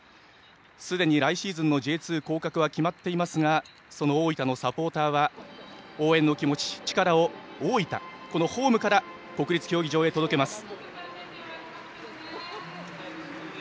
すでに来シーズンのＪ２降格は決まっていますがその大分のサポーターは応援の気持ち力を大分のホームから国立競技場へ届けます。